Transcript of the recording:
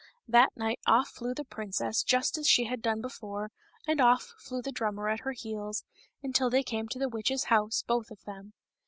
Well, that night off flew the princess just as she had done before, and off flew the drummer at her heels, until they came to the witch's house, both of them.